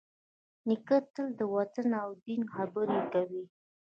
نیکه تل د وطن او دین خبرې کوي.